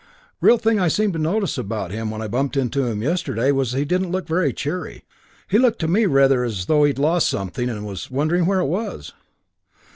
Real thing I seemed to notice about him when I bumped into him yesterday was that he didn't look very cheery. Looked to me rather as though he'd lost something and was wondering where it was.